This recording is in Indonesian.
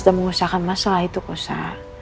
dan mengusahakan masalah itu kosa